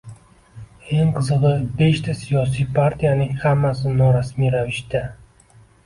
Eng qizig‘i, beshta siyosiy partiyaning hammasi norasmiy ravishda